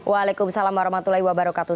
waalaikumsalam warahmatullahi wabarakatuh